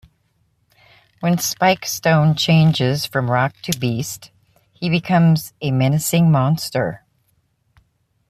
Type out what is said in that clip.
When Spike Stone changes from rock to beast, he becomes a menacing monster!